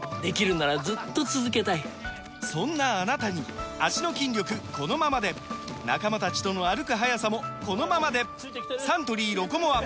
そんなあなたに脚の筋力このままで仲間たちとの歩く速さもこのままでサントリー「ロコモア」！